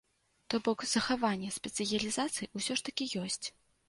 То бок, захаванне спецыялізацыі ўсё ж такі ёсць.